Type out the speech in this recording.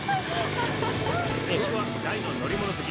僕は大の乗り物好き。